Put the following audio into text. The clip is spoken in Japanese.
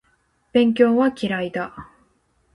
勉強は嫌いだ